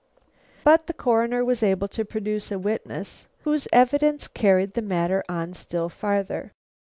But the Coroner was able to produce a witness whose evidence carried the matter on still farther.